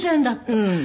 うん。